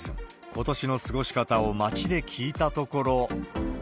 ことしの過ごし方を街で聞いたところ。